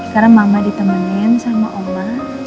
karena mama ditemenin sama oma